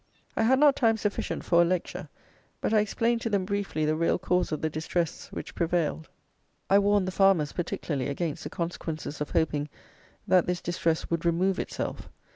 I had not time sufficient for a lecture, but I explained to them briefly the real cause of the distress which prevailed; I warned the farmers particularly against the consequences of hoping that this distress would remove itself.